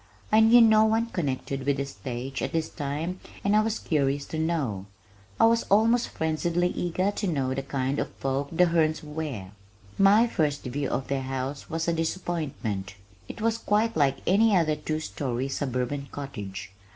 I knew no one connected with the stage at this time and I was curious to know I was almost frenziedly eager to know the kind of folk the Hernes were. My first view of their house was a disappointment. It was quite like any other two story suburban cottage.